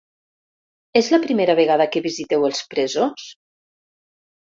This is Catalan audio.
És la primera vegada que visiteu els presos?